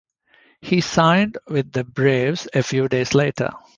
He signed with the Braves a few days later.